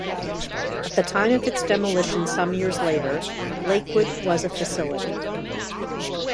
At the time of its demolition some years later, Lakewood was a facility.